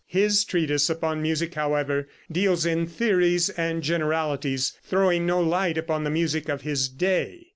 His treatise upon music, however, deals in theories and generalities, throwing no light upon the music of his day.